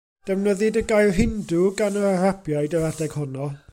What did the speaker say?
Defnyddid y gair Hindŵ gan yr Arabiaid yr adeg honno.